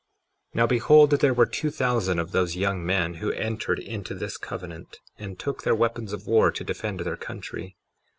53:18 Now behold, there were two thousand of those young men, who entered into this covenant and took their weapons of war to defend their country.